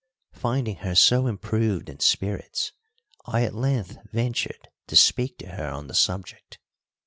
Finding her so improved in spirits, I at length ventured to speak to her on the subject.